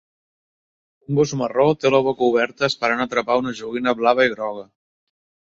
Un gos marró té la boca oberta esperant atrapar una joguina blava i groga.